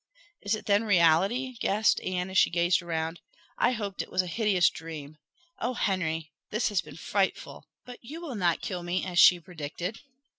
"Is it then reality?" gasped Anne, as she gazed around. "I hoped it was a hideous dream. Oh, Henry, this has been frightful! But you will not kill me, as she predicted?